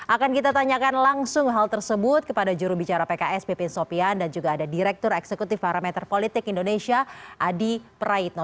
akan kita tanyakan langsung hal tersebut kepada jurubicara pks pipin sopian dan juga ada direktur eksekutif parameter politik indonesia adi praitno